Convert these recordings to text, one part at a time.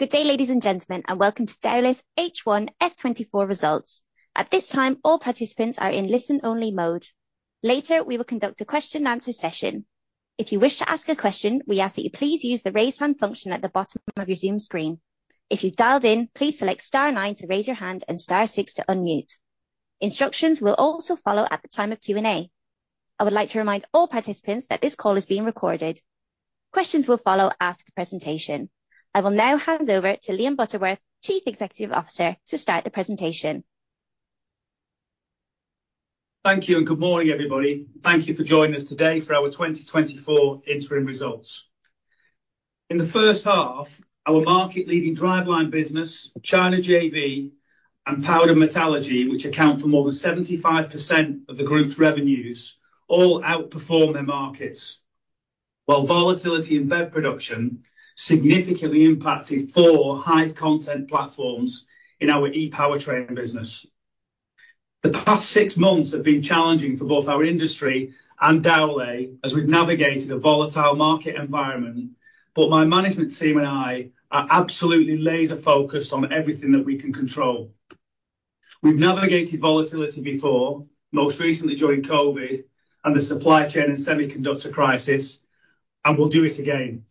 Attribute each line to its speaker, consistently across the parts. Speaker 1: Good day, ladies and gentlemen, and welcome to Dowlais H1 F24 results. At this time, all participants are in listen-only mode. Later, we will conduct a question and answer session. If you wish to ask a question, we ask that you please use the Raise Hand function at the bottom of your Zoom screen. If you've dialed in, please select star nine to raise your hand and star six to unmute. Instructions will also follow at the time of Q&A. I would like to remind all participants that this call is being recorded. Questions will follow after the presentation. I will now hand over to Liam Butterworth, Chief Executive Officer, to start the presentation.
Speaker 2: Thank you, and good morning, everybody. Thank you for joining us today for our 2024 interim results. In the first half, our market-leading Driveline business, China JV, and Powder Metallurgy, which account for more than 75% of the group's revenues, all outperformed their markets. While volatility in BEV production significantly impacted 4 high content platforms in our ePowertrain business. The past 6 months have been challenging for both our industry and Dowlais as we've navigated a volatile market environment, but my management team and I are absolutely laser-focused on everything that we can control. We've navigated volatility before, most recently during COVID and the supply chain and semiconductor crisis, and we'll do it again.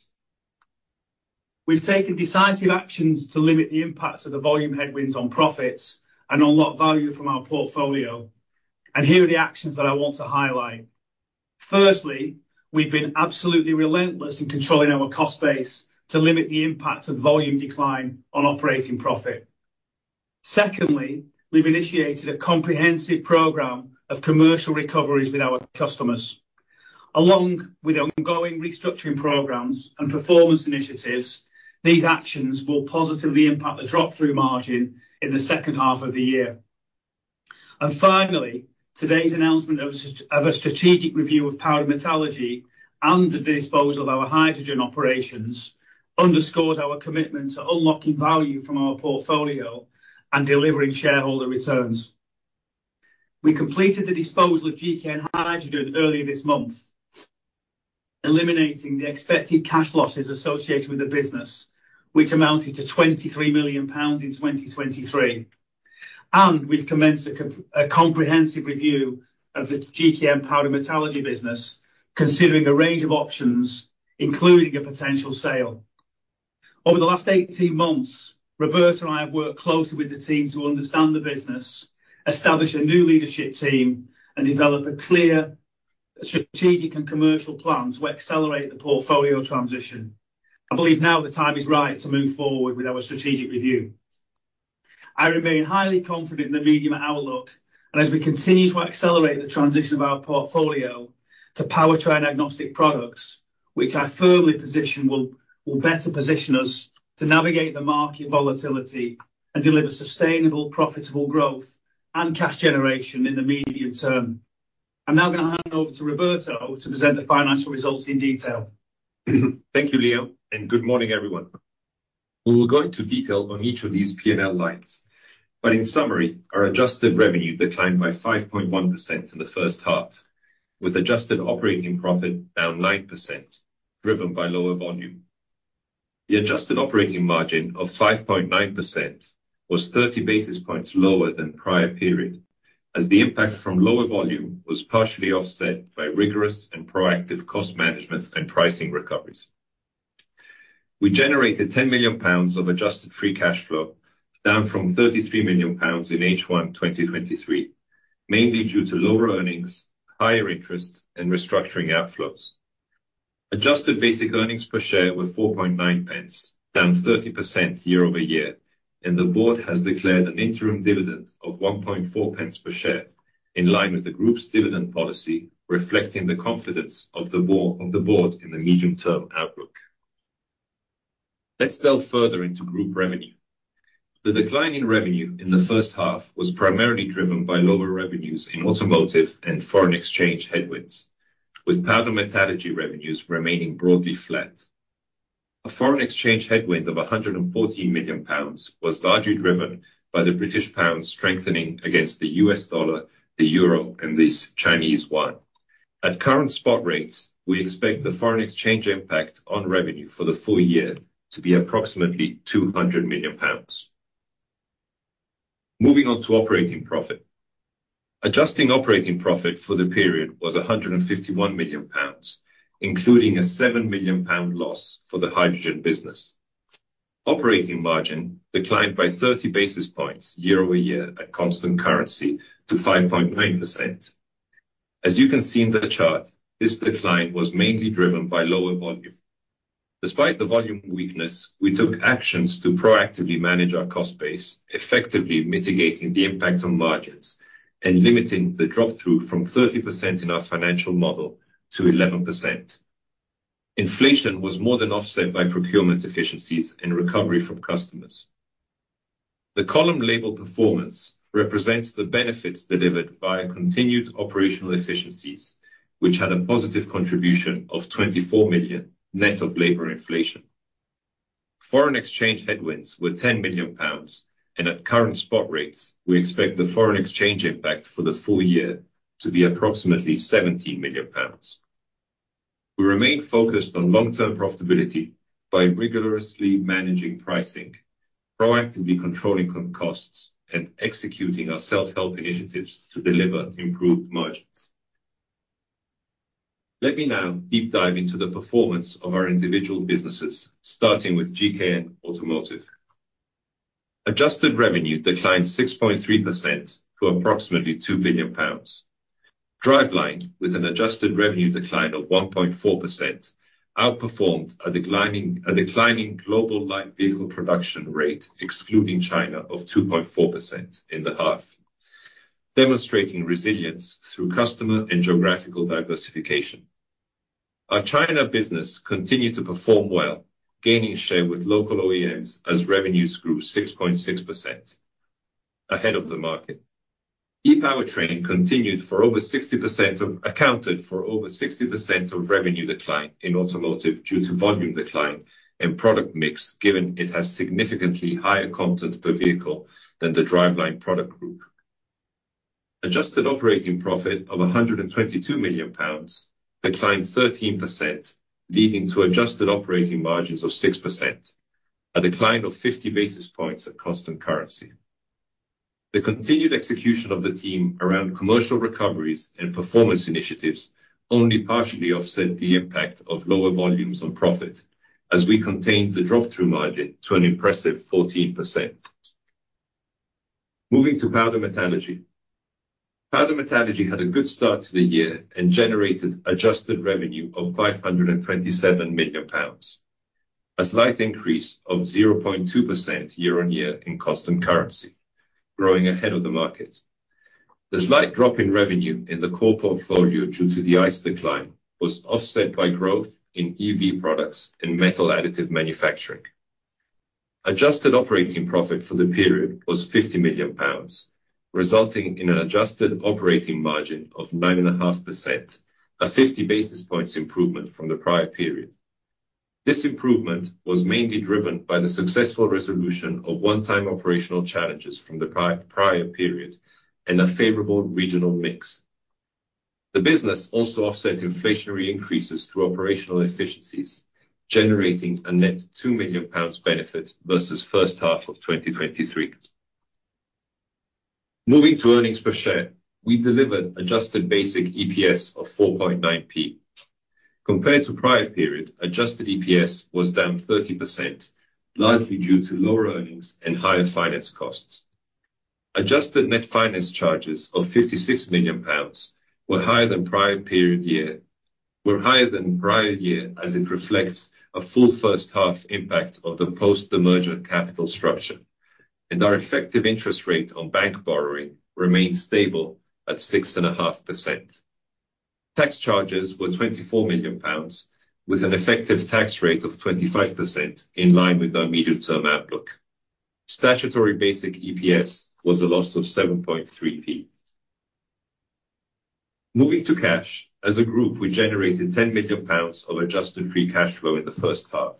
Speaker 2: We've taken decisive actions to limit the impact of the volume headwinds on profits and unlock value from our portfolio, and here are the actions that I want to highlight. Firstly, we've been absolutely relentless in controlling our cost base to limit the impact of volume decline on operating profit. Secondly, we've initiated a comprehensive program of commercial recoveries with our customers. Along with ongoing restructuring programs and performance initiatives, these actions will positively impact the Drop-through Margin in the second half of the year. And finally, today's announcement of a strategic review of Powder Metallurgy and the disposal of our hydrogen operations underscores our commitment to unlocking value from our portfolio and delivering shareholder returns. We completed the disposal of GKN Hydrogen earlier this month, eliminating the expected cash losses associated with the business, which amounted to 23 million pounds in 2023, and we've commenced a comprehensive review of the GKN Powder Metallurgy business, considering a range of options, including a potential sale. Over the last 18 months, Roberto and I have worked closely with the team to understand the business, establish a new leadership team, and develop a clear strategic and commercial plan to accelerate the portfolio transition. I believe now the time is right to move forward with our strategic review. I remain highly confident in the medium outlook, and as we continue to accelerate the transition of our portfolio to powertrain-agnostic products, which I firmly position will better position us to navigate the market volatility and deliver sustainable, profitable growth and cash generation in the medium term. I'm now gonna hand over to Roberto to present the financial results in detail.
Speaker 3: Thank you, Liam, and good morning, everyone. We will go into detail on each of these P&L lines, but in summary, our adjusted revenue declined by 5.1% in the first half, with adjusted operating profit down 9%, driven by lower volume. The adjusted operating margin of 5.9% was 30 basis points lower than prior period, as the impact from lower volume was partially offset by rigorous and proactive cost management and pricing recoveries. We generated 10 million pounds of adjusted free cash flow, down from 33 million pounds in H1 2023, mainly due to lower earnings, higher interest, and restructuring outflows. Adjusted basic earnings per share were 4.9 pence, down 30% year-over-year, and the board has declared an interim dividend of 1.4 pence per share, in line with the group's dividend policy, reflecting the confidence of the board in the medium-term outlook. Let's delve further into group revenue. The decline in revenue in the first half was primarily driven by lower revenues in automotive and foreign exchange headwinds, with powder metallurgy revenues remaining broadly flat. A foreign exchange headwind of 114 million pounds was largely driven by the British pound strengthening against the US dollar, the euro, and this Chinese yuan. At current spot rates, we expect the foreign exchange impact on revenue for the full year to be approximately 200 million pounds. Moving on to operating profit. Adjusting operating profit for the period was 151 million pounds, including a 7 million pound loss for the hydrogen business. Operating margin declined by 30 basis points year-over-year at constant currency to 5.9%. As you can see in the chart, this decline was mainly driven by lower volume. Despite the volume weakness, we took actions to proactively manage our cost base, effectively mitigating the impact on margins and limiting the drop-through from 30% in our financial model to 11%. Inflation was more than offset by procurement efficiencies and recovery from customers. The column labeled "Performance" represents the benefits delivered via continued operational efficiencies, which had a positive contribution of 24 million, net of labor inflation. Foreign exchange headwinds were 10 million pounds, and at current spot rates, we expect the foreign exchange impact for the full year to be approximately 17 million pounds... We remain focused on long-term profitability by rigorously managing pricing, proactively controlling con costs, and executing our self-help initiatives to deliver improved margins. Let me now deep dive into the performance of our individual businesses, starting with GKN Automotive. Adjusted revenue declined 6.3% to approximately 2 billion pounds. Driveline, with an adjusted revenue decline of 1.4%, outperformed a declining global light vehicle production rate, excluding China, of 2.4% in the half, demonstrating resilience through customer and geographical diversification. Our China business continued to perform well, gaining share with local OEMs as revenues grew 6.6% ahead of the market. ePowertrain accounted for over 60% of revenue decline in automotive due to volume decline and product mix, given it has significantly higher content per vehicle than the driveline product group. Adjusted operating profit of 122 million pounds declined 13%, leading to adjusted operating margins of 6%, a decline of 50 basis points at cost and currency. The continued execution of the team around commercial recoveries and performance initiatives only partially offset the impact of lower volumes on profit as we contained the drop-through margin to an impressive 14%. Moving to Powder Metallurgy. Powder Metallurgy had a good start to the year and generated adjusted revenue of 527 million pounds, a slight increase of 0.2% year-on-year in constant currency, growing ahead of the market. The slight drop in revenue in the core portfolio due to the ICE decline was offset by growth in EV products and metal additive manufacturing. Adjusted operating profit for the period was 50 million pounds, resulting in an adjusted operating margin of 9.5%, a 50 basis points improvement from the prior period. This improvement was mainly driven by the successful resolution of one-time operational challenges from the prior period and a favorable regional mix. The business also offset inflationary increases through operational efficiencies, generating a net 2 million pounds benefit versus first half of 2023. Moving to earnings per share, we delivered adjusted basic EPS of 4.9p. Compared to prior period, adjusted EPS was down 30%, largely due to lower earnings and higher finance costs. Adjusted net finance charges of 56 million pounds were higher than prior year, as it reflects a full first half impact of the post-demerger capital structure, and our effective interest rate on bank borrowing remains stable at 6.5%. Tax charges were 24 million pounds, with an effective tax rate of 25%, in line with our medium-term outlook. Statutory basic EPS was a loss of 7.3p. Moving to cash. As a group, we generated 10 million pounds of adjusted free cash flow in the first half.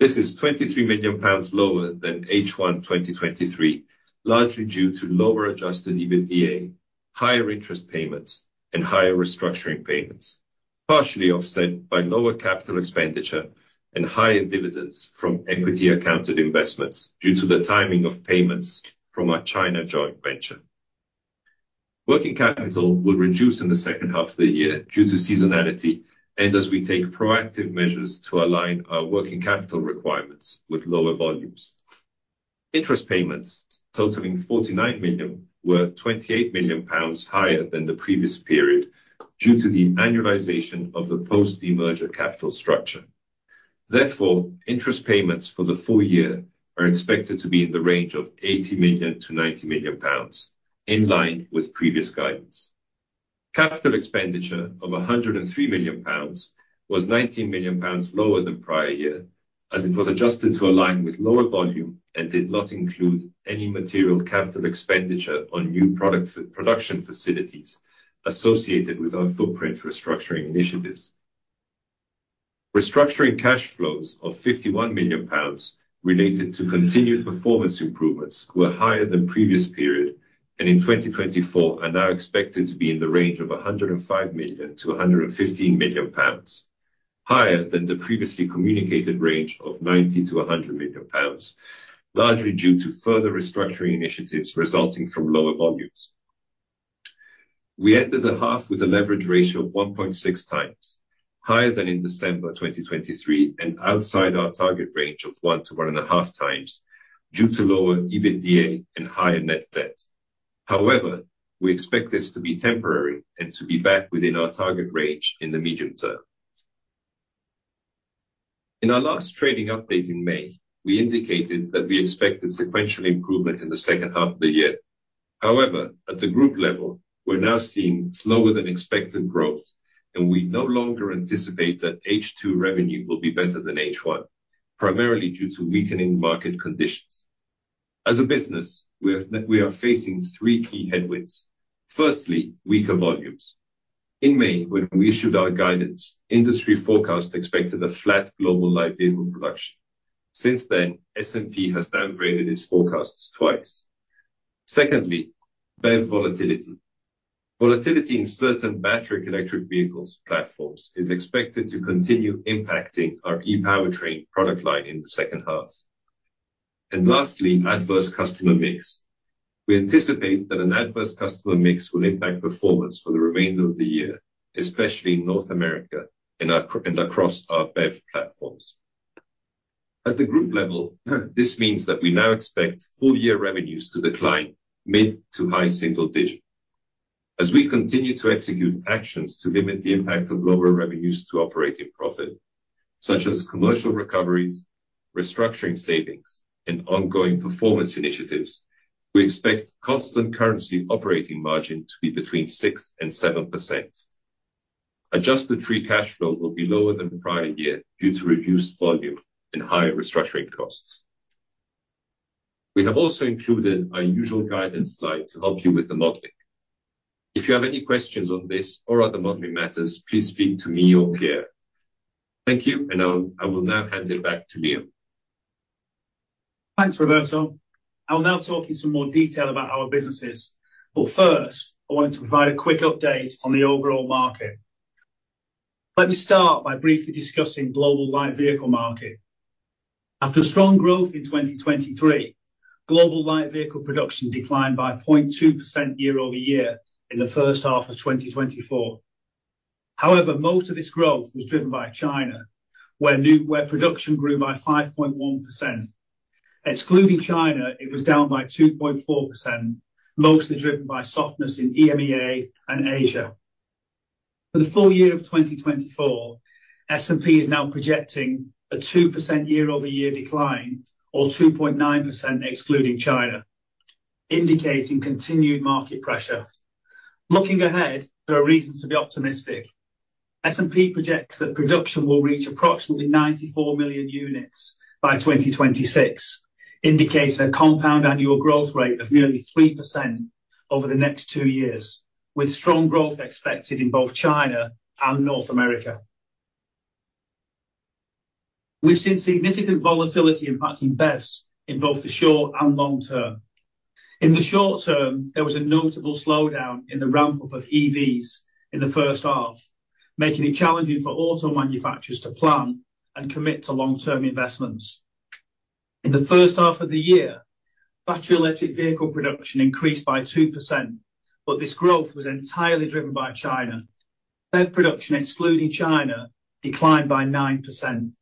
Speaker 3: This is 23 million pounds lower than H1 2023, largely due to lower adjusted EBITDA, higher interest payments, and higher restructuring payments, partially offset by lower capital expenditure and higher dividends from equity accounted investments due to the timing of payments from our China joint venture. Working capital will reduce in the second half of the year due to seasonality and as we take proactive measures to align our working capital requirements with lower volumes. Interest payments totaling 49 million were 28 million pounds higher than the previous period due to the annualization of the post-demerger capital structure. Therefore, interest payments for the full year are expected to be in the range of 80 million-90 million pounds, in line with previous guidance. Capital expenditure of 103 million pounds was 19 million pounds lower than prior year, as it was adjusted to align with lower volume and did not include any material capital expenditure on new product production facilities associated with our footprint restructuring initiatives. Restructuring cash flows of 51 million pounds related to continued performance improvements were higher than previous period, and in 2024 are now expected to be in the range of 105 million-115 million pounds, higher than the previously communicated range of 90 million-100 million pounds, largely due to further restructuring initiatives resulting from lower volumes. We ended the half with a leverage ratio of 1.6 times, higher than in December 2023 and outside our target range of 1-1.5 times due to lower EBITDA and higher net debt. However, we expect this to be temporary and to be back within our target range in the medium term. In our last trading update in May, we indicated that we expected sequential improvement in the second half of the year. However, at the group level, we're now seeing slower than expected growth, and we no longer anticipate that H2 revenue will be better than H1, primarily due to weakening market conditions. As a business, we are, we are facing three key headwinds. Firstly, weaker volumes. In May, when we issued our guidance, industry forecast expected a flat global light vehicle production. Since then, S&P has downgraded its forecasts twice. Secondly, BEV volatility. Volatility in certain battery electric vehicles platforms is expected to continue impacting our ePowertrain product line in the second half. And lastly, adverse customer mix. We anticipate that an adverse customer mix will impact performance for the remainder of the year, especially in North America and across our BEV platforms. At the group level, this means that we now expect full-year revenues to decline mid- to high-single-digit. As we continue to execute actions to limit the impact of lower revenues to operating profit, such as commercial recoveries, restructuring savings, and ongoing performance initiatives, we expect constant currency operating margin to be between 6% and 7%. Adjusted free cash flow will be lower than the prior year due to reduced volume and higher restructuring costs. We have also included our usual guidance slide to help you with the modeling. If you have any questions on this or other modeling matters, please speak to me or Pierre. Thank you, and I will now hand it back to Liam.
Speaker 2: Thanks, Roberto. I'll now talk in some more detail about our businesses, but first, I wanted to provide a quick update on the overall market. Let me start by briefly discussing global light vehicle market. After strong growth in 2023, global light vehicle production declined by 0.2% year-over-year in the first half of 2024. However, most of this growth was driven by China, where production grew by 5.1%. Excluding China, it was down by 2.4%, mostly driven by softness in EMEA and Asia. For the full year of 2024, S&P is now projecting a 2% year-over-year decline, or 2.9% excluding China, indicating continued market pressure. Looking ahead, there are reasons to be optimistic. S&P projects that production will reach approximately 94 million units by 2026, indicating a compound annual growth rate of nearly 3% over the next two years, with strong growth expected in both China and North America. We've seen significant volatility impacting BEVs in both the short and long term. In the short term, there was a notable slowdown in the ramp-up of EVs in the first half, making it challenging for auto manufacturers to plan and commit to long-term investments. In the first half of the year, battery electric vehicle production increased by 2%, but this growth was entirely driven by China. BEV production, excluding China, declined by 9%.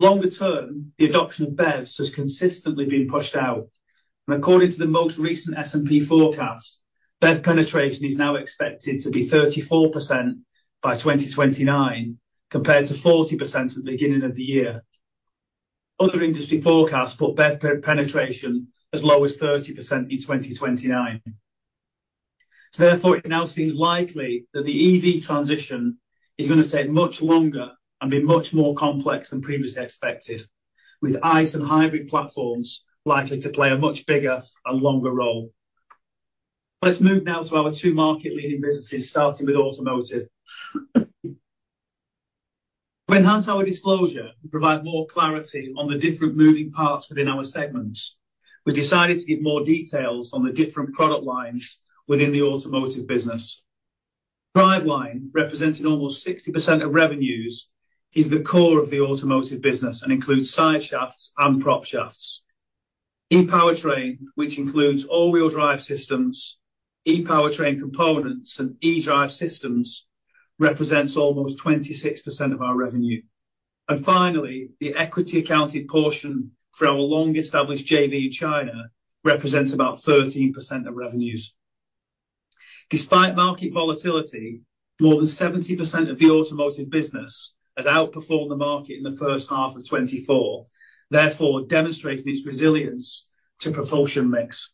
Speaker 2: Longer term, the adoption of BEVs has consistently been pushed out, and according to the most recent S&P forecast, BEV penetration is now expected to be 34% by 2029, compared to 40% at the beginning of the year. Other industry forecasts put BEV penetration as low as 30% in 2029. So therefore, it now seems likely that the EV transition is going to take much longer and be much more complex than previously expected, with ICE and hybrid platforms likely to play a much bigger and longer role. Let's move now to our two market-leading businesses, starting with automotive. To enhance our disclosure and provide more clarity on the different moving parts within our segments, we decided to give more details on the different product lines within the automotive business. Driveline, representing almost 60% of revenues, is the core of the automotive business and includes driveshafts and propshafts. ePowertrain, which includes all-wheel drive systems, ePowertrain components, and eDrive systems, represents almost 26% of our revenue. And finally, the equity accounted portion for our long-established JV China represents about 13% of revenues. Despite market volatility, more than 70% of the automotive business has outperformed the market in the first half of 2024, therefore demonstrating its resilience to propulsion mix.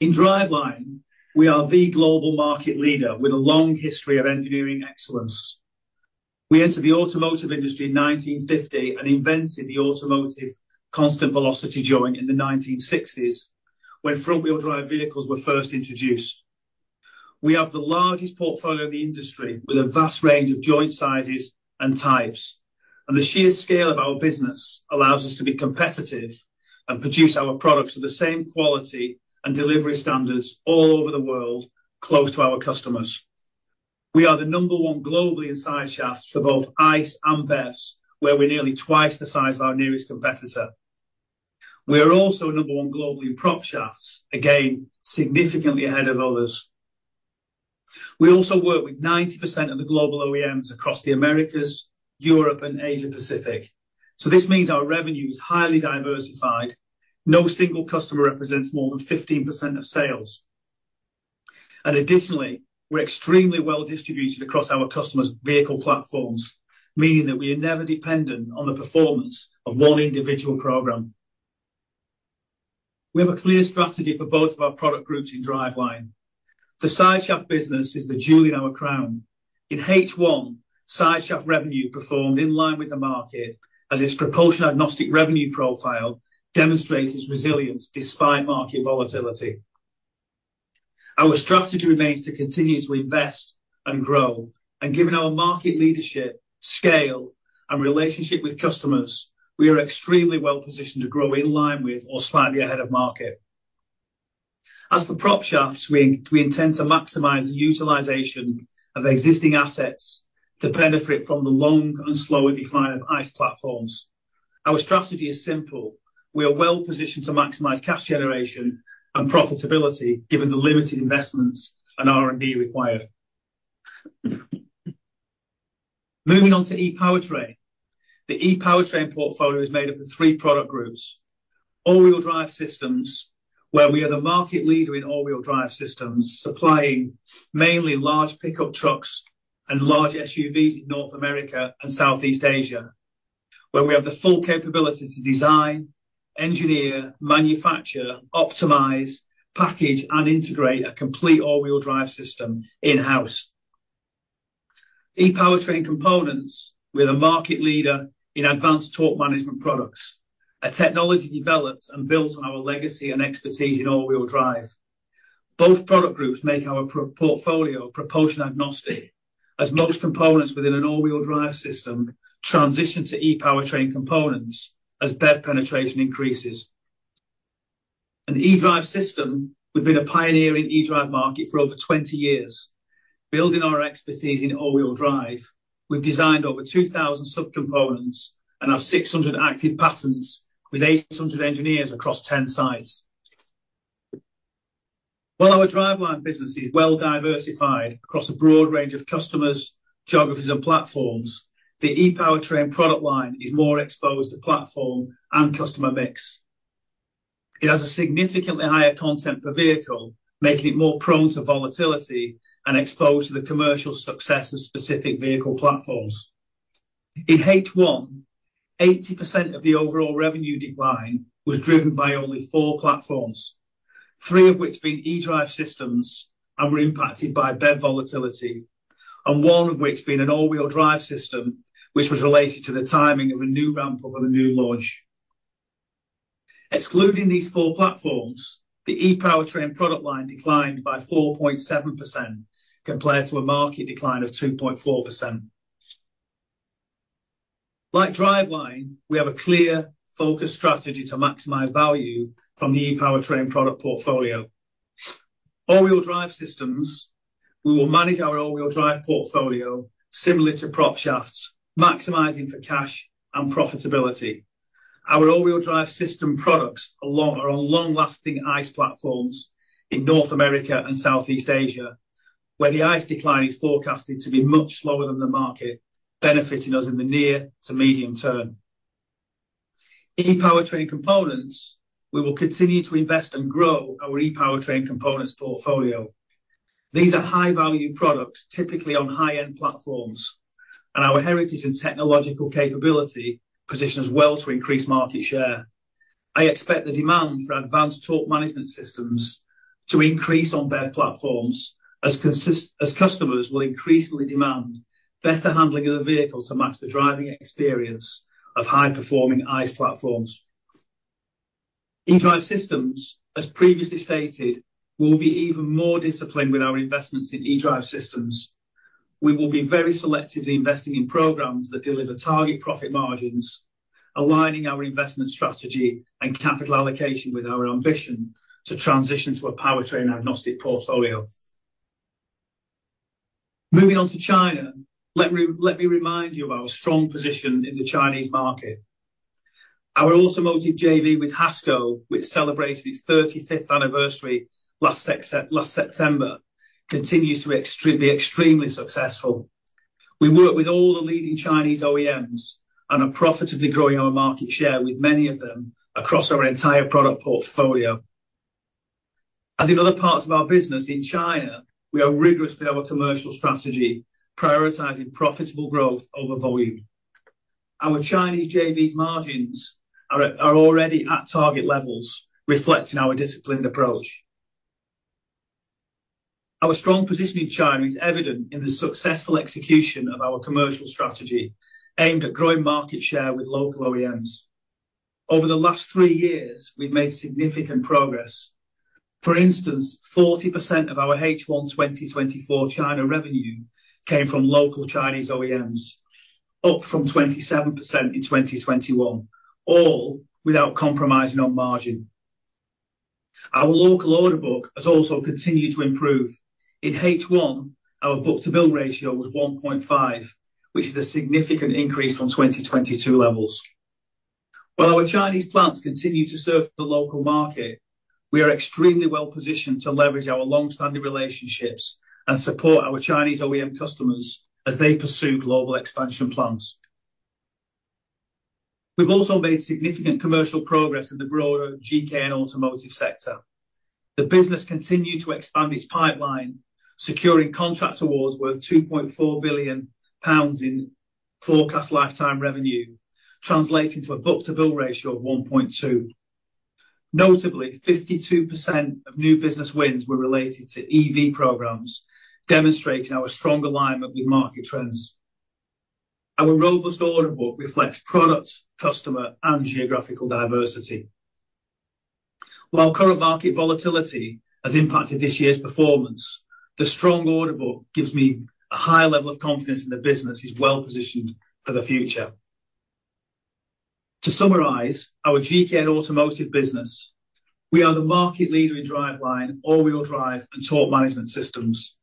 Speaker 2: In driveline, we are the global market leader with a long history of engineering excellence. We entered the automotive industry in 1950 and invented the automotive constant velocity joint in the 1960s, when front-wheel drive vehicles were first introduced. We have the largest portfolio in the industry, with a vast range of joint sizes and types, and the sheer scale of our business allows us to be competitive and produce our products at the same quality and delivery standards all over the world, close to our customers. We are the number one globally in driveshafts for both ICE and BEVs, where we're nearly twice the size of our nearest competitor. We are also number one globally in prop shafts, again, significantly ahead of others. We also work with 90% of the global OEMs across the Americas, Europe, and Asia Pacific, so this means our revenue is highly diversified. No single customer represents more than 15% of sales. And additionally, we're extremely well distributed across our customers' vehicle platforms, meaning that we are never dependent on the performance of one individual program. We have a clear strategy for both of our product groups in Driveline. The Driveshaft business is the jewel in our crown. In H1, Driveshaft revenue performed in line with the market as its propulsion-agnostic revenue profile demonstrates its resilience despite market volatility. Our strategy remains to continue to invest and grow, and given our market leadership, scale, and relationship with customers, we are extremely well positioned to grow in line with or slightly ahead of market. As for Prop Shafts, we intend to maximize the utilization of existing assets to benefit from the long and slower decline of ICE platforms. Our strategy is simple: We are well positioned to maximize cash generation and profitability, given the limited investments and R&D required. Moving on to ePowertrain. The ePowertrain portfolio is made up of three product groups: All-Wheel Drive systems, where we are the market leader in All-Wheel Drive systems, supplying mainly large pickup trucks and large SUVs in North America and Southeast Asia, where we have the full capability to design, engineer, manufacture, optimize, package, and integrate a complete All-Wheel Drive system in-house. ePowertrain components, we're a market leader in advanced torque management products, a technology developed and built on our legacy and expertise in All-Wheel Drive. Both product groups make our portfolio propulsion agnostic, as most components within an All-Wheel Drive system transition to ePowertrain components as BEV penetration increases. And eDrive system, we've been a pioneer in eDrive market for over 20 years. Building on our expertise in All-Wheel Drive, we've designed over 2,000 subcomponents and have 600 active patents with 800 engineers across 10 sites. While our Driveline business is well diversified across a broad range of customers, geographies, and platforms, the ePowertrain product line is more exposed to platform and customer mix. It has a significantly higher content per vehicle, making it more prone to volatility and exposed to the commercial success of specific vehicle platforms. In H1, 80% of the overall revenue decline was driven by only four platforms, three of which being eDrive systems and were impacted by BEV volatility, and one of which being an all-wheel drive system, which was related to the timing of a new ramp-up of a new launch. Excluding these four platforms, the ePowertrain product line declined by 4.7% compared to a market decline of 2.4%. Like Driveline, we have a clear focus strategy to maximize value from the ePowertrain product portfolio. All-Wheel Drive systems, we will manage our All-Wheel Drive portfolio similar to Prop Shafts, maximizing for cash and profitability. Our All-Wheel Drive system products are on long-lasting ICE platforms in North America and Southeast Asia, where the ICE decline is forecasted to be much slower than the market, benefiting us in the near to medium term. ePowertrain components, we will continue to invest and grow our ePowertrain components portfolio. These are high-value products, typically on high-end platforms, and our heritage and technological capability positions well to increase market share. I expect the demand for advanced torque management systems to increase on BEV platforms as customers will increasingly demand better handling of the vehicle to match the driving experience of high-performing ICE platforms. eDrive systems, as previously stated, we will be even more disciplined with our investments in eDrive systems. We will be very selective in investing in programs that deliver target profit margins, aligning our investment strategy and capital allocation with our ambition to transition to a powertrain-agnostic portfolio. Moving on to China, let me remind you of our strong position in the Chinese market. Our automotive JV with HASCO, which celebrated its 35th anniversary last September, continues to be extremely successful. We work with all the leading Chinese OEMs and are profitably growing our market share with many of them across our entire product portfolio. As in other parts of our business, in China, we are rigorous in our commercial strategy, prioritizing profitable growth over volume. Our Chinese JV's margins are already at target levels, reflecting our disciplined approach. Our strong position in China is evident in the successful execution of our commercial strategy, aimed at growing market share with local OEMs. Over the last three years, we've made significant progress. For instance, 40% of our H1 2024 China revenue came from local Chinese OEMs, up from 27% in 2021, all without compromising on margin. Our local order book has also continued to improve. In H1, our book-to-bill ratio was 1.5, which is a significant increase from 2022 levels. While our Chinese plants continue to serve the local market, we are extremely well positioned to leverage our long-standing relationships and support our Chinese OEM customers as they pursue global expansion plans. We've also made significant commercial progress in the broader GKN Automotive sector. The business continued to expand its pipeline, securing contract awards worth 2.4 billion pounds in forecast lifetime revenue, translating to a book-to-bill ratio of 1.2. Notably, 52% of new business wins were related to EV programs, demonstrating our strong alignment with market trends. Our robust order book reflects product, customer, and geographical diversity. While current market volatility has impacted this year's performance, the strong order book gives me a high level of confidence that the business is well positioned for the future. To summarize, our GKN Automotive business, we are the market leader in Driveline, All-Wheel Drive, and Torque Management systems.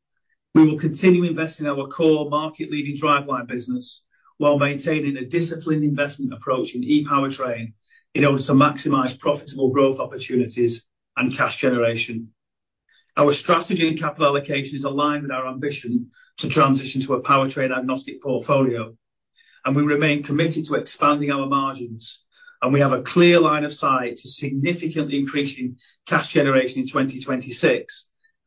Speaker 2: We will continue investing in our core market-leading Driveline business while maintaining a disciplined investment approach in ePowertrain in order to maximize profitable growth opportunities and cash generation. Our strategy and capital allocation is aligned with our ambition to transition to a powertrain-agnostic portfolio, and we remain committed to expanding our margins. We have a clear line of sight to significantly increasing cash generation in 2026,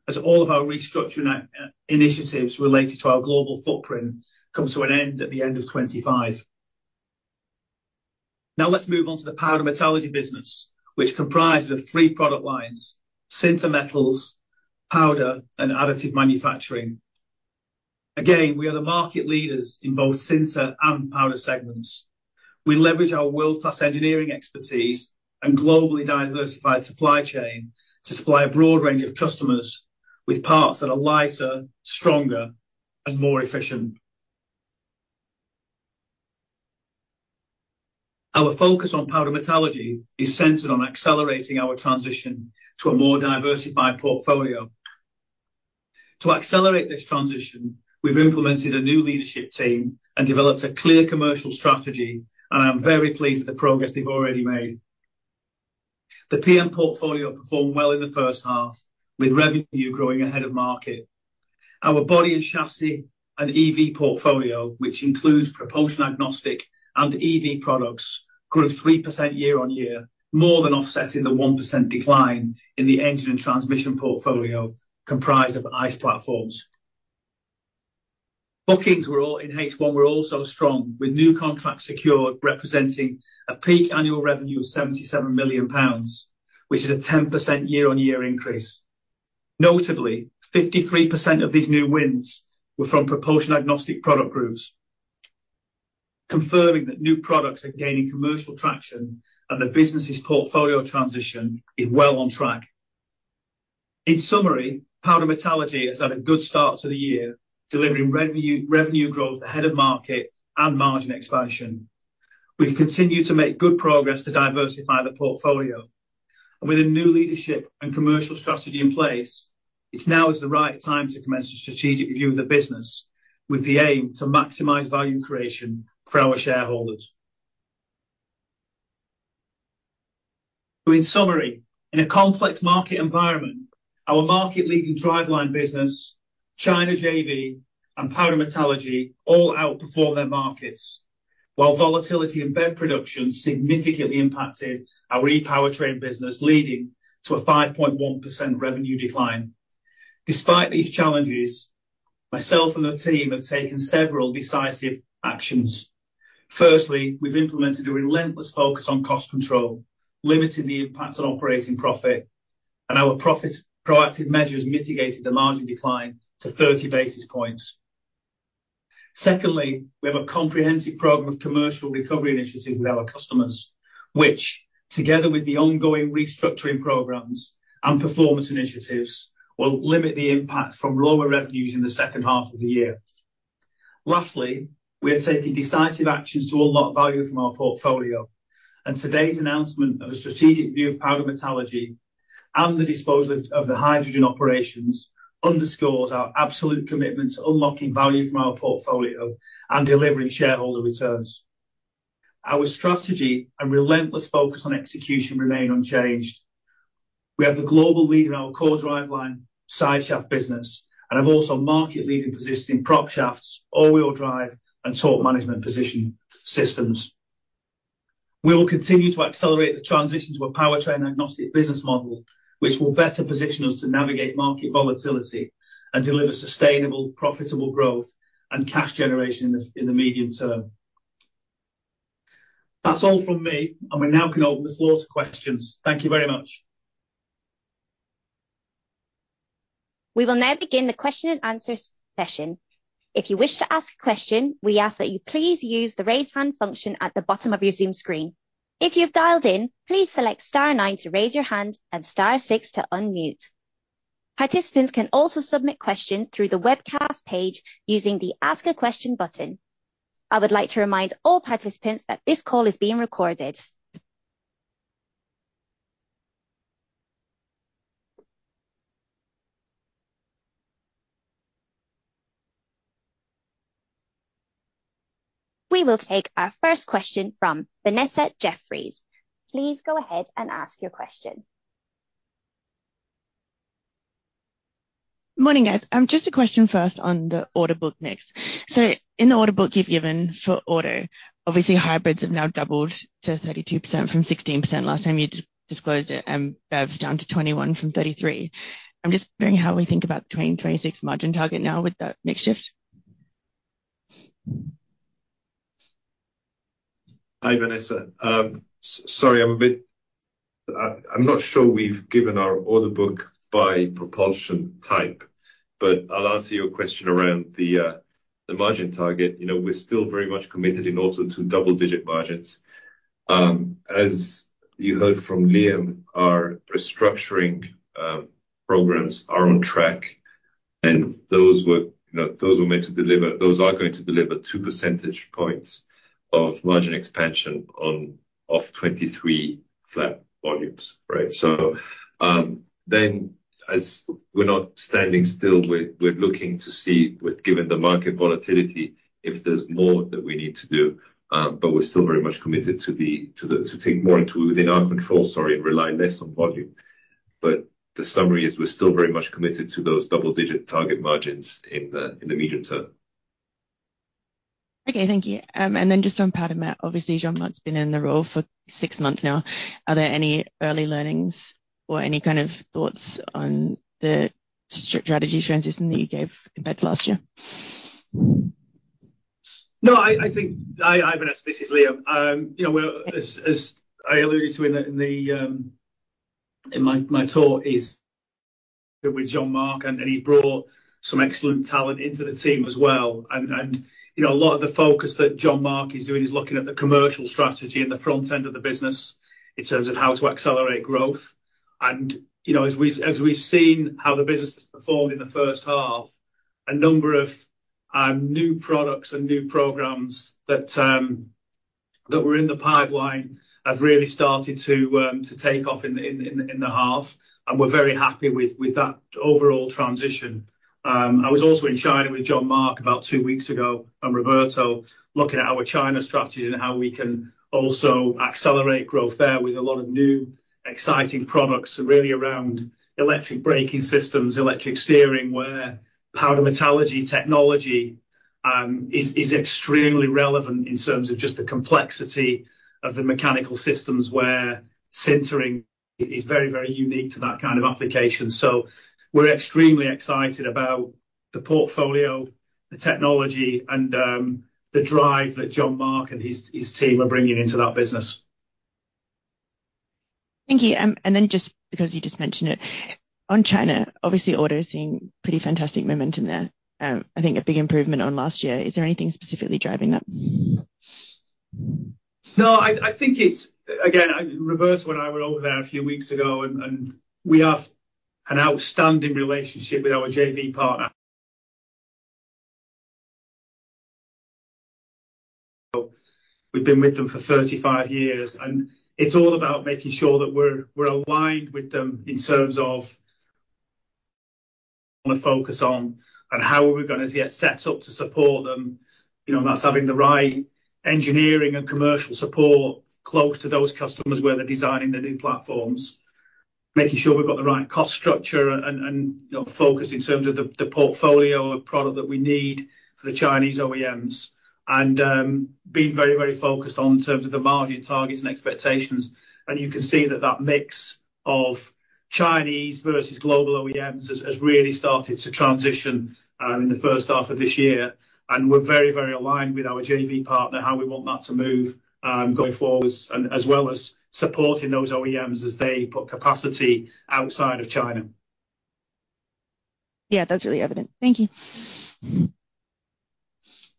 Speaker 2: as all of our restructuring initiatives related to our global footprint come to an end at the end of 2025. Now, let's move on to the Powder Metallurgy business, which comprises of three product lines: Sinter Metals, powder, and Additive Manufacturing. Again, we are the market leaders in both Sinter and powder segments. We leverage our world-class engineering expertise and globally diversified supply chain to supply a broad range of customers with parts that are lighter, stronger, and more efficient. Our focus on Powder Metallurgy is centered on accelerating our transition to a more diversified portfolio. To accelerate this transition, we've implemented a new leadership team and developed a clear commercial strategy, and I'm very pleased with the progress they've already made. The PM portfolio performed well in the first half, with revenue growing ahead of market. Our body and chassis and EV portfolio, which includes propulsion agnostic and EV products, grew 3% year-on-year, more than offsetting the 1% decline in the engine and transmission portfolio comprised of ICE platforms. Bookings in H1 were also strong, with new contracts secured, representing a peak annual revenue of 77 million pounds, which is a 10% year-on-year increase. Notably, 53% of these new wins were from propulsion agnostic product groups, confirming that new products are gaining commercial traction and the business' portfolio transition is well on track. In summary, Powder Metallurgy has had a good start to the year, delivering revenue, revenue growth ahead of market and margin expansion. We've continued to make good progress to diversify the portfolio, and with a new leadership and commercial strategy in place, it's now is the right time to commence a strategic review of the business, with the aim to maximize value creation for our shareholders. So in summary, in a complex market environment, our market-leading driveline business, China JV, and powder metallurgy all outperformed their markets, while volatility in BEV production significantly impacted our e-powertrain business, leading to a 5.1% revenue decline. Despite these challenges, myself and the team have taken several decisive actions. Firstly, we've implemented a relentless focus on cost control, limiting the impact on operating profit, and our profit proactive measures mitigated the margin decline to 30 basis points. Secondly, we have a comprehensive program of commercial recovery initiatives with our customers, which, together with the ongoing restructuring programs and performance initiatives, will limit the impact from lower revenues in the second half of the year. Lastly, we are taking decisive actions to unlock value from our portfolio, and today's announcement of a strategic review of Powder Metallurgy and the disposal of the hydrogen operations underscores our absolute commitment to unlocking value from our portfolio and delivering shareholder returns. Our strategy and relentless focus on execution remain unchanged. We are the global leader in our core Driveline sideshaft business and have also market-leading positions in propshafts, all-wheel drive, and Torque Management positioning systems. We will continue to accelerate the transition to a powertrain-agnostic business model, which will better position us to navigate market volatility and deliver sustainable, profitable growth and cash generation in the medium term. That's all from me, and we now can open the floor to questions. Thank you very much.
Speaker 1: We will now begin the question and answer session. If you wish to ask a question, we ask that you please use the Raise Hand function at the bottom of your Zoom screen. If you've dialed in, please select star nine to raise your hand and star six to unmute. Participants can also submit questions through the webcast page using the Ask a Question button. I would like to remind all participants that this call is being recorded. We will take our first question from Vanessa Jefferies. Please go ahead and ask your question.
Speaker 4: Morning, guys. Just a question first on the order book mix. So in the order book you've given for auto, obviously, hybrids have now doubled to 32% from 16% last time you disclosed it, and BEVs down to 21 from 33. I'm just wondering how we think about the 2026 margin target now with that mix shift?
Speaker 5: Hi, Vanessa. Sorry, I'm a bit, I'm not sure we've given our order book by propulsion type, but I'll answer your question around the, the margin target. You know, we're still very much committed in auto to double-digit margins. As you heard from Liam, our restructuring programs are on track, and those were, you know, those were meant to deliver, those are going to deliver two percentage points of margin expansion on, off 2023 flat volumes, right? So, then as we're not standing still, we're looking to see with, given the market volatility, if there's more that we need to do, but we're still very much committed to the, to the, to take more into within our control, sorry, and rely less on volume. But the summary is we're still very much committed to those double-digit target margins in the medium term.
Speaker 4: Okay, thank you. And then just on Powder Metallurgy, obviously, Jean-Marc Dheilly's been in the role for six months now. Are there any early learnings or any kind of thoughts on the strategy transition that you gave back last year?
Speaker 2: No, I think, hi, Vanessa, this is Liam. You know, well, as I alluded to in the, in my talk, is with Jean-Marc Dheilly, and he brought some excellent talent into the team as well. And you know, a lot of the focus that Jean-Marc Dheilly is doing is looking at the commercial strategy and the front end of the business in terms of how to accelerate growth. And you know, as we've seen how the business has performed in the first half, a number of new products and new programs that were in the pipeline have really started to take off in the half, and we're very happy with that overall transition. I was also in China with Jean-Marc Dheilly about two weeks ago, and Roberto, looking at our China strategy and how we can also accelerate growth there with a lot of new, exciting products really around electric braking systems, electric steering, where Powder Metallurgy technology is extremely relevant in terms of just the complexity of the mechanical systems, where sintering is very, very unique to that kind of application. So we're extremely excited about the portfolio, the technology, and the drive that Jean-Marc Dheilly and his team are bringing into that business.
Speaker 4: Thank you. And then just because you just mentioned it, on China, obviously, auto is seeing pretty fantastic momentum there. I think a big improvement on last year. Is there anything specifically driving that?
Speaker 2: No, I think it's... Again, Roberto and I were over there a few weeks ago, and we have an outstanding relationship with our JV partner. We've been with them for 35 years, and it's all about making sure that we're aligned with them in terms of the focus on, and how are we gonna get set up to support them? You know, that's having the right engineering and commercial support close to those customers where they're designing the new platforms. Making sure we've got the right cost structure and, you know, focus in terms of the portfolio of product that we need for the Chinese OEMs. Being very, very focused on in terms of the margin targets and expectations, and you can see that the mix of Chinese versus global OEMs has really started to transition in the first half of this year. We're very, very aligned with our JV partner, how we want that to move, going forward, and as well as supporting those OEMs as they put capacity outside of China.
Speaker 4: Yeah, that's really evident. Thank you.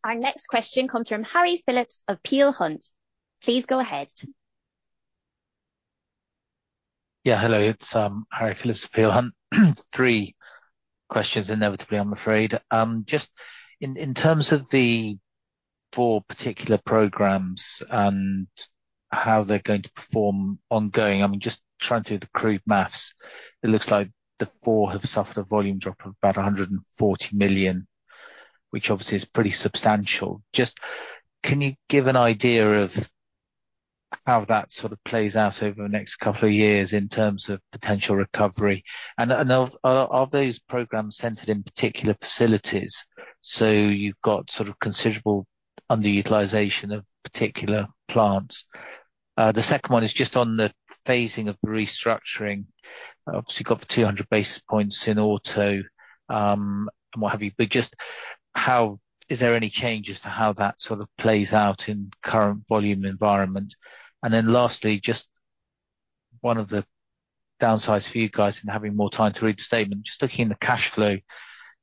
Speaker 1: Our next question comes from Harry Phillips of Peel Hunt. Please go ahead.
Speaker 5: Yeah, hello, it's Harry Phillips of Peel Hunt. Three questions, inevitably, I'm afraid. Just in terms of the four particular programs and how they're going to perform ongoing, I mean, just trying to do the crude math, it looks like the four have suffered a volume drop of about 140 million, which obviously is pretty substantial. Just, can you give an idea of how that sort of plays out over the next couple of years in terms of potential recovery? And are those programs centered in particular facilities, so you've got sort of considerable underutilization of particular plants? The second one is just on the phasing of the restructuring. Obviously, you've got the 200 basis points in auto, and what have you, but just how—is there any change as to how that sort of plays out in the current volume environment? And then lastly, just one of the downsides for you guys in having more time to read the statement, just looking in the cash flow,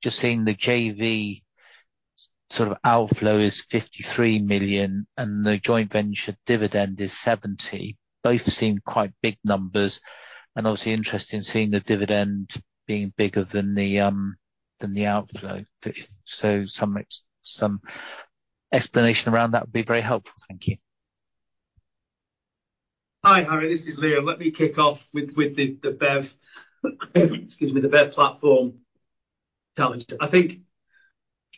Speaker 5: just seeing the JV sort of outflow is 53 million, and the joint venture dividend is 70 million. Both seem quite big numbers and obviously interested in seeing the dividend being bigger than the, than the outflow. So some explanation around that would be very helpful. Thank you.
Speaker 2: Hi, Harry, this is Liam. Let me kick off with the BEV platform challenge. I think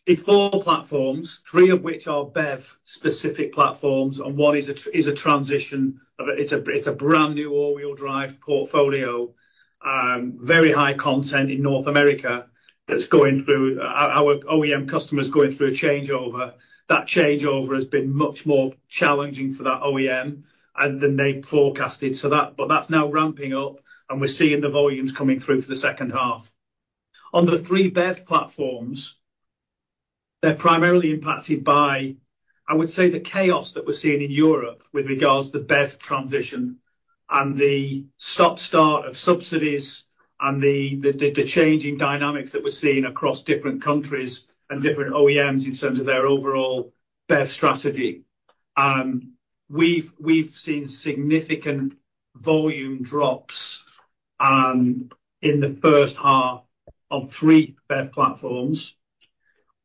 Speaker 2: the four platforms, three of which are BEV-specific platforms and one is a transition. It's a brand-new all-wheel drive portfolio, very high content in North America that's going through. Our OEM customer is going through a changeover. That changeover has been much more challenging for that OEM than they forecasted. So that's now ramping up, and we're seeing the volumes coming through for the second half. On the three BEV platforms. They're primarily impacted by, I would say, the chaos that we're seeing in Europe with regards to the BEV transition and the stop-start of subsidies and the changing dynamics that we're seeing across different countries and different OEMs in terms of their overall BEV strategy. We've seen significant volume drops in the first half on three BEV platforms.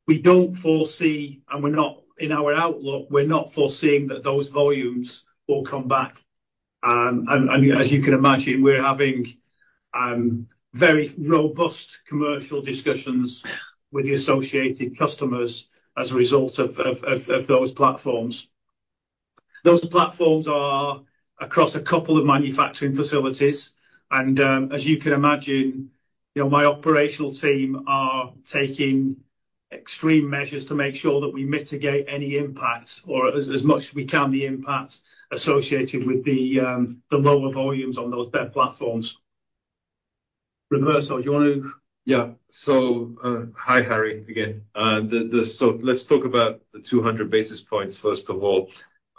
Speaker 2: We don't foresee, and we're not in our outlook foreseeing that those volumes will come back. And as you can imagine, we're having very robust commercial discussions with the associated customers as a result of those platforms. Those platforms are across a couple of manufacturing facilities, and as you can imagine, you know, my operational team are taking extreme measures to make sure that we mitigate any impacts or as much as we can, the impact associated with the lower volumes on those BEV platforms. Roberto, do you want to-
Speaker 3: Yeah. So, hi, Harry, again. So let's talk about the 200 basis points first of all.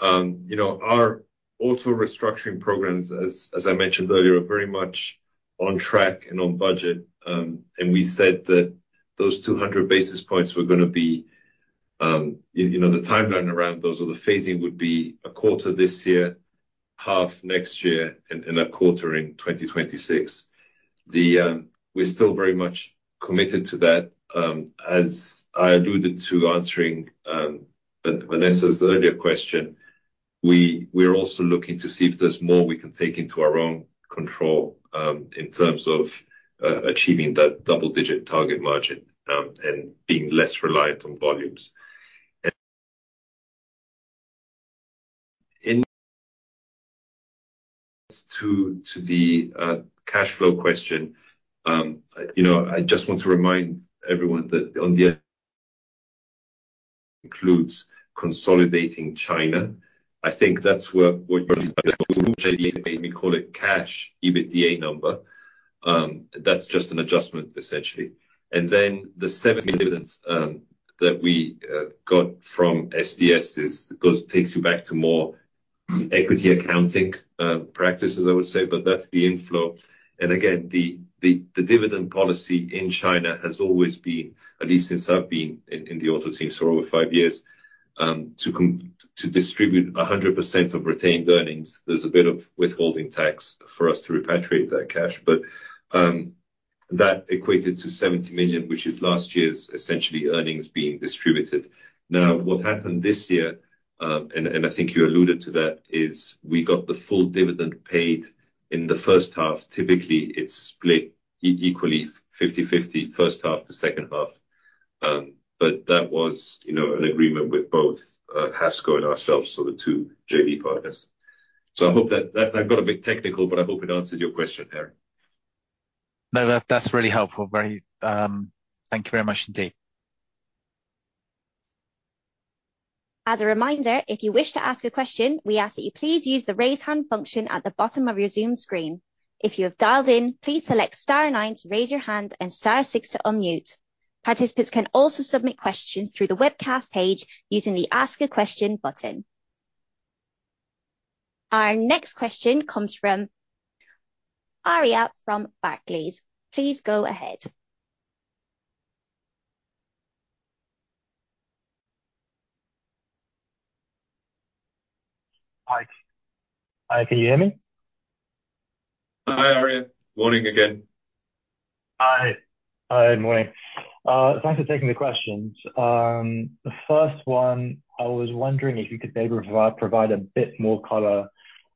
Speaker 3: You know, our auto restructuring programs, as I mentioned earlier, are very much on track and on budget, and we said that those 200 basis points were gonna be, you know, the timeline around those or the phasing would be a quarter this year, half next year, and a quarter in 2026. We're still very much committed to that. As I alluded to answering Vanessa's earlier question, we're also looking to see if there's more we can take into our own control, in terms of achieving that double-digit target margin, and being less reliant on volumes. In... To the cash flow question, you know, I just want to remind everyone that on the includes consolidating China. I think that's where we call it cash EBITDA number. That's just an adjustment, essentially. And then, the 70 million that we got from SDS goes, takes you back to more equity accounting practices, I would say, but that's the inflow. And again, the dividend policy in China has always been, at least since I've been in the auto team, so over five years, to distribute 100% of retained earnings. There's a bit of withholding tax for us to repatriate that cash. But that equated to 70 million, which is last year's essentially earnings being distributed. Now, what happened this year, and I think you alluded to that, is we got the full dividend paid in the first half. Typically, it's split equally, 50/50, first half to second half. But that was, you know, an agreement with both, HASCO and ourselves, so the two JV partners. So I hope that... That got a bit technical, but I hope it answered your question, Harry.
Speaker 6: No, that, that's really helpful. Very... Thank you very much indeed.
Speaker 1: As a reminder, if you wish to ask a question, we ask that you please use the Raise Hand function at the bottom of your Zoom screen. If you have dialed in, please select star nine to raise your hand and star six to unmute. Participants can also submit questions through the webcast page using the Ask a Question button. Our next question comes from Erwann Dagorne from Barclays. Please go ahead.
Speaker 7: Hi. Hi, can you hear me?
Speaker 3: Hi, Erwann. Morning again.
Speaker 7: Hi. Hi, morning. Thanks for taking the questions. The first one, I was wondering if you could maybe provide a bit more color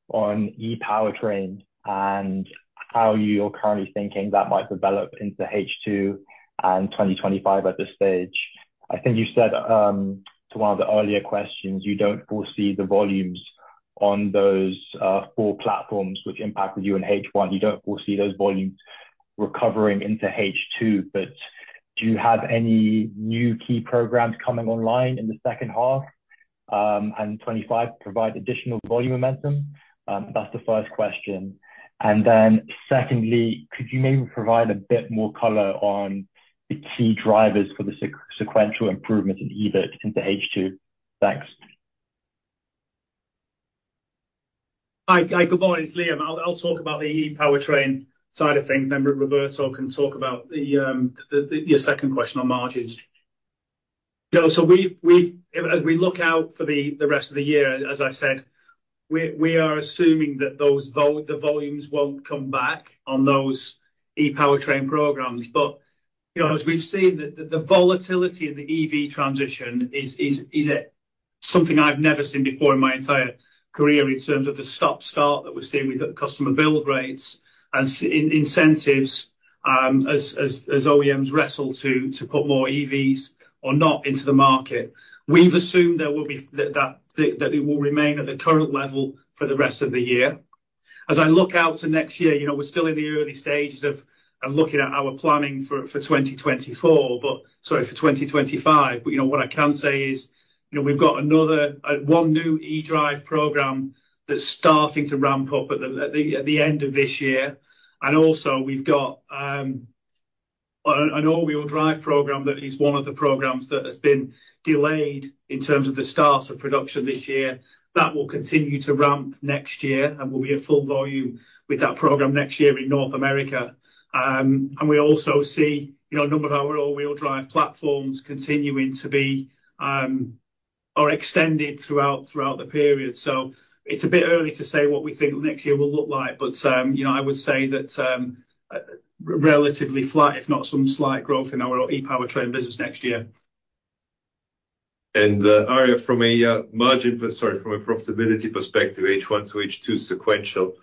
Speaker 7: on ePowertrain and how you're currently thinking that might develop into H2 and 2025 at this stage. I think you said, to one of the earlier questions, you don't foresee the volumes on those four platforms which impacted you in H1, you don't foresee those volumes recovering into H2. But do you have any new key programs coming online in the second half and 2025 provide additional volume momentum? That's the first question. And then secondly, could you maybe provide a bit more color on the key drivers for the sequential improvement in EBIT into H2? Thanks.
Speaker 2: Hi, guy, good morning. It's Liam. I'll talk about the e-powertrain side of things, and then Roberto can talk about the your second question on margins. You know, so we've as we look out for the rest of the year, as I said, we are assuming that those volumes won't come back on those e-powertrain programs. But, you know, as we've seen, the volatility of the EV transition is something I've never seen before in my entire career in terms of the stop-start that we're seeing with the customer build rates and in incentives, as OEMs wrestle to put more EVs or not into the market. We've assumed there will be that it will remain at the current level for the rest of the year. As I look out to next year, you know, we're still in the early stages of looking at our planning for 2024, but, sorry, for 2025. But, you know, what I can say is, you know, we've got another one new eDrive program that's starting to ramp up at the end of this year, and also we've got an All-Wheel Drive program that is one of the programs that has been delayed in terms of the start of production this year. That will continue to ramp next year and will be at full volume with that program next year in North America. And we also see, you know, a number of our All-Wheel Drive platforms continuing to be or extended throughout the period. So it's a bit early to say what we think next year will look like, but, you know, I would say that relatively flat, if not some slight growth in our ePowertrain business next year.
Speaker 3: And, Erwann, from a profitability perspective, H1 to H2 sequential,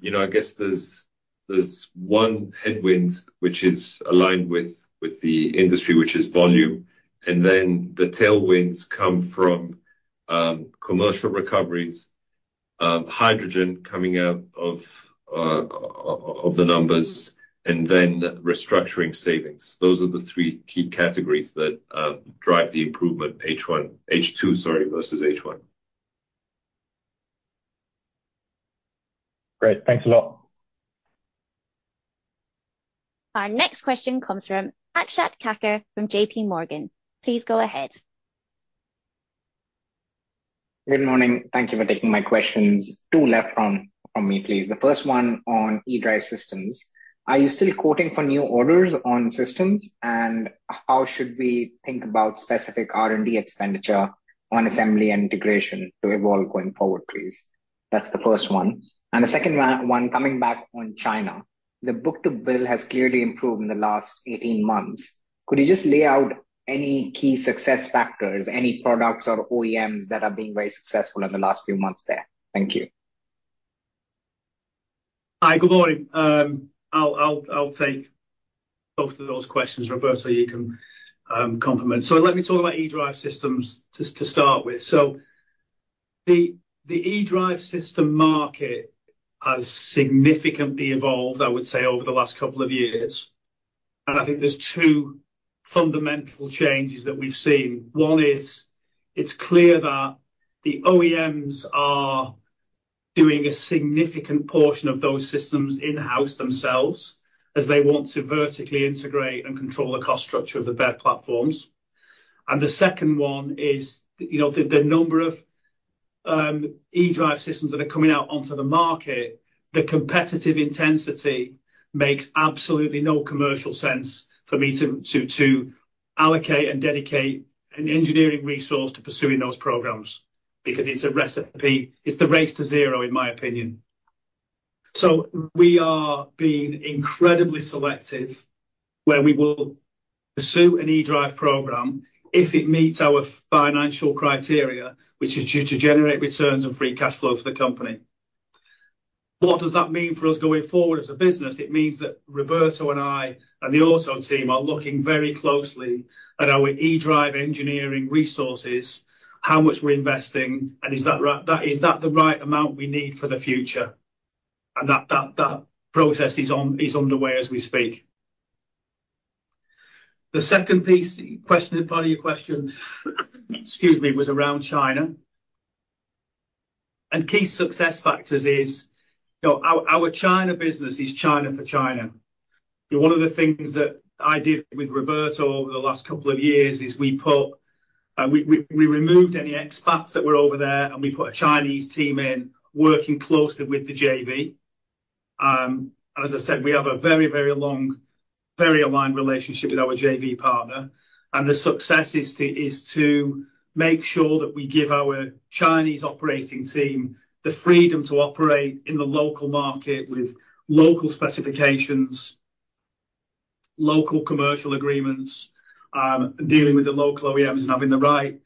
Speaker 3: you know, I guess there's one headwind which is aligned with the industry, which is volume, and then the tailwinds come from commercial recoveries, hydrogen coming out of the numbers, and then restructuring savings. Those are the three key categories that drive the improvement H1 to H2, sorry, versus H1.
Speaker 7: Great. Thanks a lot.
Speaker 1: Our next question comes from Akshat Kakar from J.P. Morgan. Please go ahead.
Speaker 4: Good morning. Thank you for taking my questions. 2 left from me, please. The first one on eDrive systems. Are you still quoting for new orders on systems? And how should we think about specific R&D expenditure on assembly and integration to evolve going forward, please? That's the first one. And the second one, coming back on China, the book-to-bill has clearly improved in the last 18 months. Could you just lay out any key success factors, any products or OEMs that are being very successful in the last few months there? Thank you.
Speaker 2: Hi, good morning. I'll take both of those questions. Roberto, you can complement. So let me talk about eDrive systems to start with. So the eDrive system market has significantly evolved, I would say, over the last couple of years, and I think there's two fundamental changes that we've seen. One is, it's clear that the OEMs are doing a significant portion of those systems in-house themselves, as they want to vertically integrate and control the cost structure of their platforms. And the second one is, you know, the number of eDrive systems that are coming out onto the market, the competitive intensity makes absolutely no commercial sense for me to allocate and dedicate an engineering resource to pursuing those programs, because it's a recipe... It's the race to zero, in my opinion. So we are being incredibly selective where we will pursue an eDrive program if it meets our financial criteria, which is to generate returns and free cash flow for the company. What does that mean for us going forward as a business? It means that Roberto and I and the auto team are looking very closely at our eDrive engineering resources, how much we're investing, and is that the right amount we need for the future? And that process is underway as we speak. The second piece, question, part of your question, excuse me, was around China. And key success factors is, you know, our China business is China for China. One of the things that I did with Roberto over the last couple of years is we removed any expats that were over there, and we put a Chinese team in, working closely with the JV. As I said, we have a very, very long, very aligned relationship with our JV partner, and the success is to make sure that we give our Chinese operating team the freedom to operate in the local market with local specifications, local commercial agreements, dealing with the local OEMs and having the right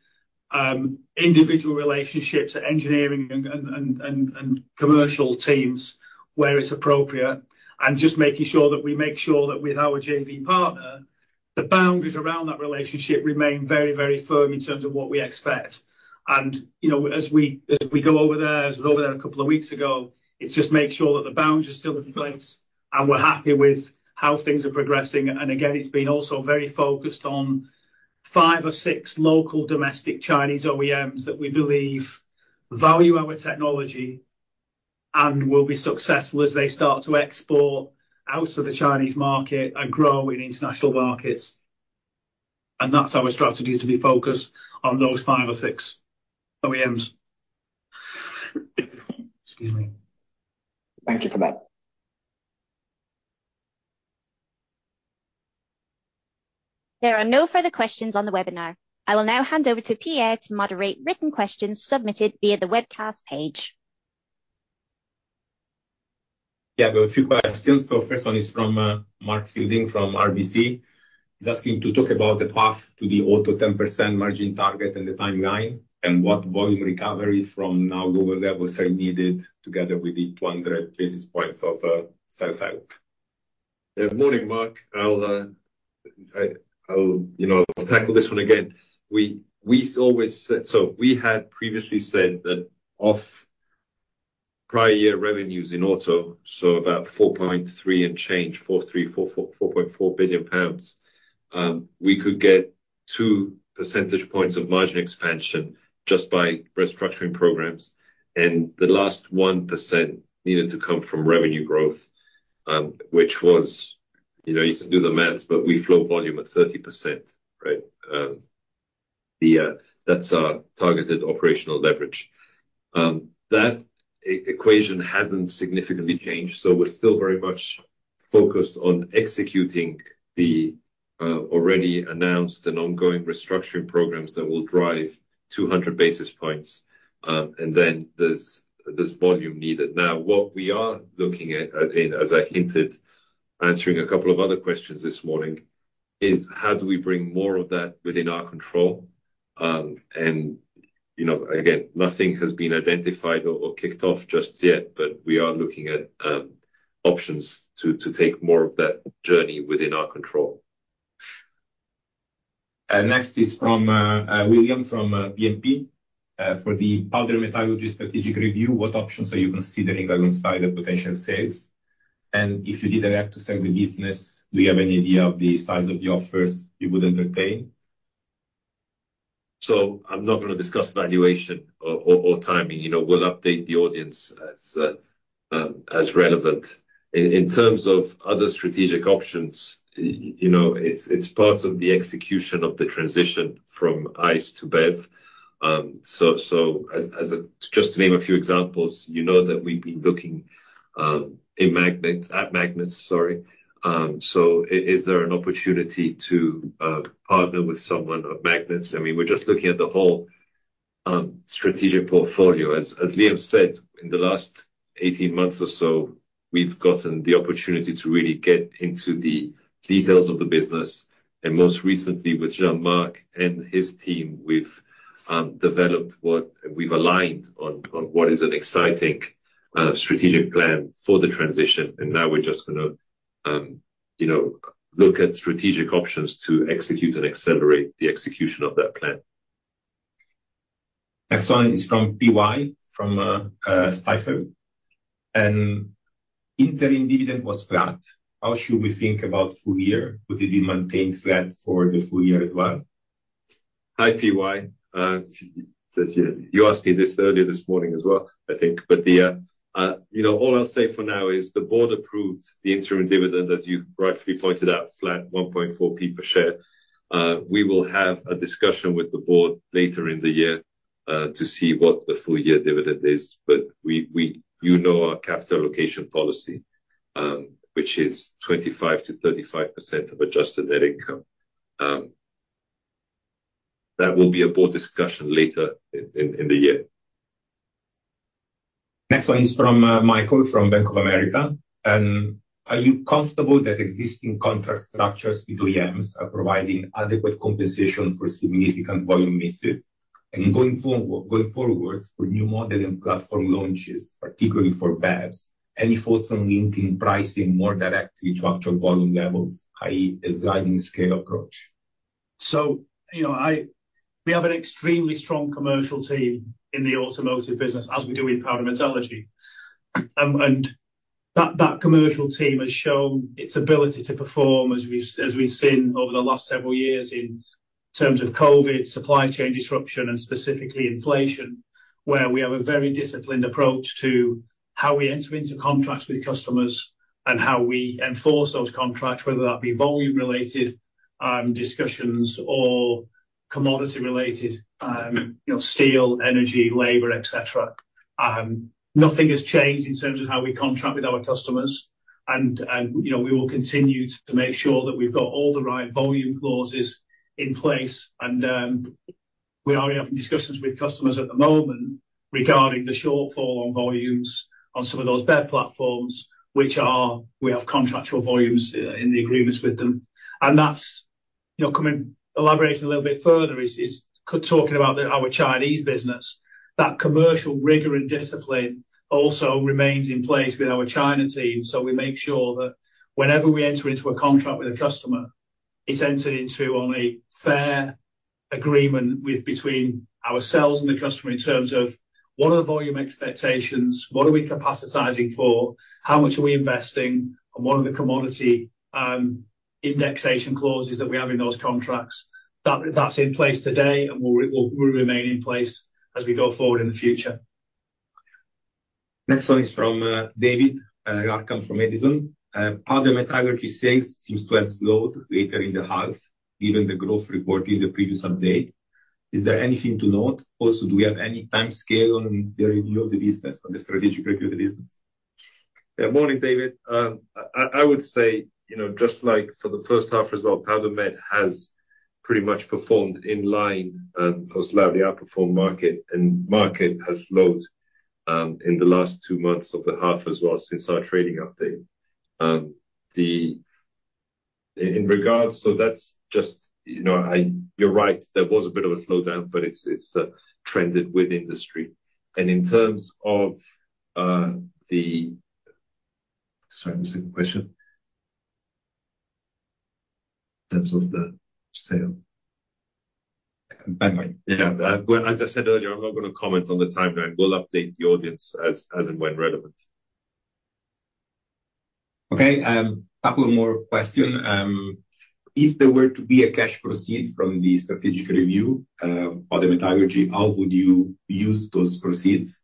Speaker 2: individual relationships at engineering and commercial teams where it's appropriate. And just making sure that we make sure that with our JV partner, the boundaries around that relationship remain very, very firm in terms of what we expect. You know, as we, as we go over there, as I went over there a couple of weeks ago, it's just make sure that the boundaries are still in place, and we're happy with how things are progressing. Again, it's been also very focused on five or six local domestic Chinese OEMs that we believe value our technology and will be successful as they start to export out of the Chinese market and grow in international markets. That's our strategy, to be focused on those five or six OEMs. Excuse me.
Speaker 4: Thank you for that.
Speaker 1: There are no further questions on the webinar. I will now hand over to Pierre to moderate written questions submitted via the webcast page.
Speaker 8: Yeah, there are a few questions. So first one is from Mark Fielding from RBC. He's asking to talk about the path to the auto 10% margin target and the timeline, and what volume recovery from now global levels are needed together with the 200 basis points of self-help.
Speaker 3: Good morning, Mark. I'll, I'll, you know, tackle this one again. We always said... So we had previously said that off prior year revenues in auto, so about 4.3 and change, 4.3, 4.4, 4.4 billion pounds, we could get two percentage points of margin expansion just by restructuring programs, and the last 1% needed to come from revenue growth, which was, you know, you can do the math, but we flow volume at 30%, right? That's our targeted operational leverage. That equation hasn't significantly changed, so we're still very much focused on executing the already announced and ongoing restructuring programs that will drive 200 basis points, and then there's this volume needed. Now, what we are looking at, again, as I hinted, answering a couple of other questions this morning, is how do we bring more of that within our control? And, you know, again, nothing has been identified or kicked off just yet, but we are looking at options to take more of that journey within our control.
Speaker 8: Next is from William from BNP. For the Powder Metallurgy strategic review, what options are you considering alongside the potential sales? And if you did have to sell the business, do you have any idea of the size of the offers you would entertain?
Speaker 3: So I'm not gonna discuss valuation or timing. You know, we'll update the audience as relevant. In terms of other strategic options, you know, it's part of the execution of the transition from ICE to BEV. So, just to name a few examples, you know that we've been looking in magnets, at magnets, sorry. So is there an opportunity to partner with someone on magnets? I mean, we're just looking at the whole strategic portfolio. As Liam said, in the last 18 months or so, we've gotten the opportunity to really get into the details of the business, and most recently with Jean-Marc and his team, we've developed what we've aligned on, what is an exciting strategic plan for the transition. Now we're just gonna, you know, look at strategic options to execute and accelerate the execution of that plan.
Speaker 8: Next one is from PY, from Stifel. Interim dividend was flat. How should we think about full year? Would it be maintained flat for the full year as well?
Speaker 3: Hi, PY. You asked me this earlier this morning as well, I think. But the, you know, all I'll say for now is the board approved the interim dividend, as you rightfully pointed out, flat 1.4p per share. We will have a discussion with the board later in the year to see what the full year dividend is, but we-- you know our capital allocation policy, which is 25%-35% of adjusted net income. That will be a board discussion later in the year.
Speaker 8: Next one is from Michael, from Bank of America. Are you comfortable that existing contract structures with OEMs are providing adequate compensation for significant volume misses? And going forwards, for new model and platform launches, particularly for BEVs, any thoughts on linking pricing more directly to actual volume levels, i.e., a sliding scale approach?
Speaker 2: So, you know, we have an extremely strong commercial team in the automotive business, as we do in Powder Metallurgy. And that commercial team has shown its ability to perform, as we've seen over the last several years in terms of COVID, supply chain disruption, and specifically inflation, where we have a very disciplined approach to how we enter into contracts with customers and how we enforce those contracts, whether that be volume-related discussions or commodity-related, you know, steel, energy, labor, et cetera. Nothing has changed in terms of how we contract with our customers, and you know, we will continue to make sure that we've got all the right volume clauses in place. We are already having discussions with customers at the moment regarding the shortfall on volumes on some of those BEV platforms, which we have contractual volumes in the agreements with them. And that's, you know, elaborating a little bit further is talking about our Chinese business. That commercial rigor and discipline also remains in place with our China team, so we make sure that whenever we enter into a contract with a customer, it's entered into on a fair agreement between ourselves and the customer in terms of what are the volume expectations, what are we capacitizing for, how much are we investing, and what are the commodity indexation clauses that we have in those contracts. That's in place today, and will remain in place as we go forward in the future.
Speaker 8: Next one is from David Larkam from Edison. Powder Metallurgy sales seems to have slowed later in the half, given the growth reported in the previous update. Is there anything to note? Also, do we have any timescale on the review of the business, on the strategic review of the business?
Speaker 3: Yeah. Morning, David. I would say, you know, just like for the first half result, Powder Met has pretty much performed in line, or slightly outperformed market, and market has slowed, in the last two months of the half as well since our trading update. In regards, so that's just, you know, you're right, there was a bit of a slowdown, but it's trended with industry. And in terms of, Sorry, what was the second question? In terms of the sale.
Speaker 8: By mind.
Speaker 3: Yeah. Well, as I said earlier, I'm not gonna comment on the timeline. We'll update the audience as and when relevant.
Speaker 8: Okay, a couple of more question. If there were to be a cash proceeds from the strategic review, or the metallurgy, how would you use those proceeds?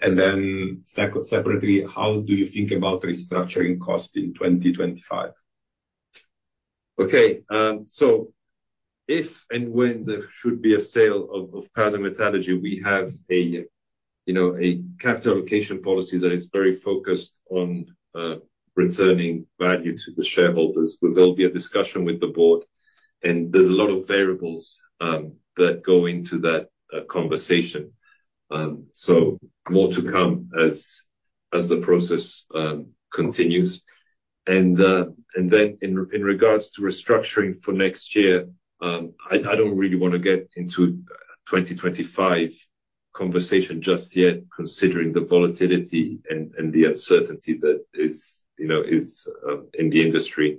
Speaker 8: And then separately, how do you think about restructuring cost in 2025?
Speaker 3: Okay, so if and when there should be a sale of Powder Metallurgy, we have a, you know, a capital allocation policy that is very focused on returning value to the shareholders. There will be a discussion with the board, and there's a lot of variables that go into that conversation. So more to come as the process continues. And then in regards to restructuring for next year, I don't really wanna get into 2025 conversation just yet, considering the volatility and the uncertainty that is, you know, is in the industry.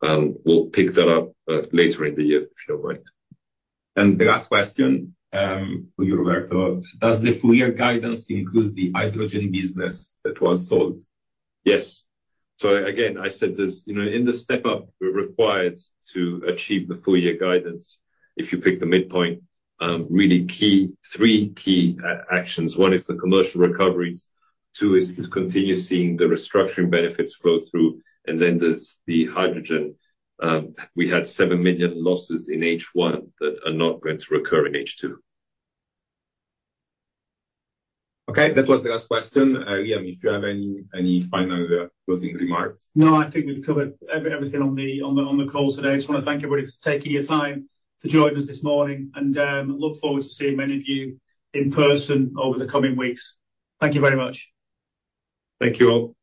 Speaker 3: We'll pick that up later in the year, if you don't mind.
Speaker 8: The last question, for you, Roberto: Does the full year guidance include the hydrogen business that was sold?
Speaker 3: Yes. So again, I said this, you know, in the step-up, we're required to achieve the full year guidance. If you pick the midpoint, really key, three key actions. One is the commercial recoveries, two is to continue seeing the restructuring benefits flow through, and then there's the hydrogen. We had 7 million losses in H1 that are not going to recur in H2.
Speaker 8: Okay, that was the last question. Liam, if you have any final closing remarks?
Speaker 2: No, I think we've covered everything on the call today. I just wanna thank everybody for taking your time to join us this morning, and look forward to seeing many of you in person over the coming weeks. Thank you very much.
Speaker 3: Thank you all.